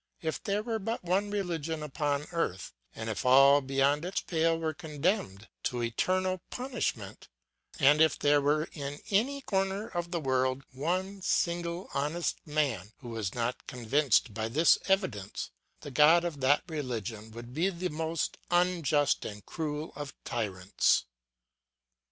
If there were but one religion upon earth, and if all beyond its pale were condemned to eternal punishment, and if there were in any corner of the world one single honest man who was not convinced by this evidence, the God of that religion would be the most unjust and cruel of tyrants.